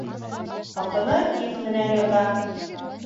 Ҡатыны тиф менән ята.